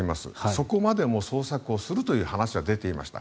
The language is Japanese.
そこまでも捜索をするという話は出ていました。